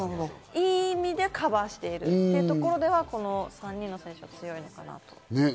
いい意味でカバーしているというところでは、３人の選手は強いのかなと。